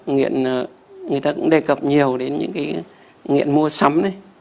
nghiện người ta cũng đề cập nhiều đến những nghiện mua sắm